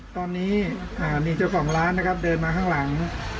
ตอนนี้มีเจ้าของร้านนะครับเดินมาข้างหลัง